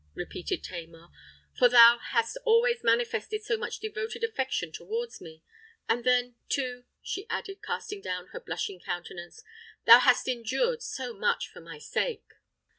repeated Tamar; "for thou hast always manifested so much devoted affection towards me—and then, too," she added, casting down her blushing countenance, "thou hast endured so much for my sake!"